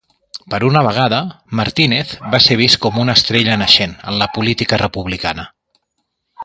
Per una vegada, Martinez va ser vist com a una "estrella naixent" en la política republicana.